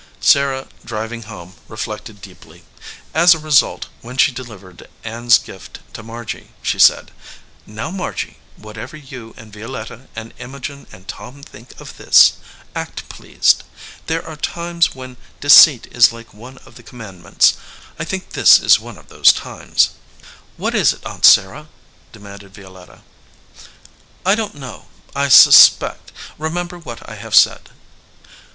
Sarah, driving home, reflected deeply. As a re sult, when she delivered Ann s gift to Margy, she said, "Now, Margy, whatever you and Violetta and Imogen and Tom think of this, act pleased. There are times when deceit is like one of the com mandments. I think this is one of those times." 94 VALUE RECEIVED "What is it, Aunt Sarah?" demanded Violetta. "I don t know. I suspect. Remember what I have said."